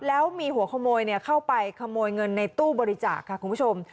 แล้วมีหัวขโมยเข้าไปขโมยเงินในตู้บริจาคค่ะคุณผู้ชม